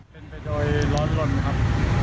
เป็นประโยชน์ร้อนลนครับ